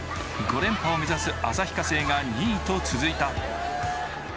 ５連覇を目指す旭化成が２位と続いた。